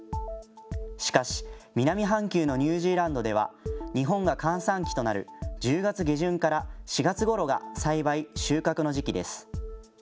しかし、南半球のニュージーランドでは、日本が閑散期となる１０月下旬から４月ごろが栽培・収穫の時期です。